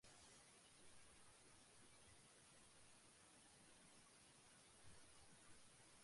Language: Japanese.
そして与えられる答えについて論理的に思考し、これによって現象を合理的に把握してゆく。